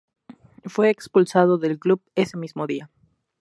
Fue expulsado del club ese mismo día.